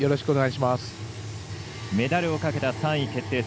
メダルをかけた３位決定戦。